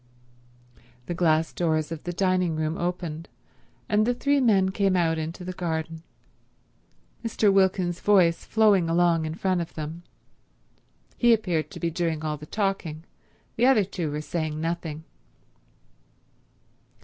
The glass doors of the dining room opened, and the three men came out into the garden, Mr. Wilkins's voice flowing along in front of them. He appeared to be doing all the talking; the other two were saying nothing.